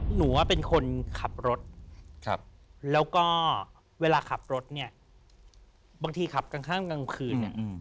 หนูว่าเป็นคนขับรถแล้วก็เวลาขับรถนี่บางทีขับข้างกลางคืน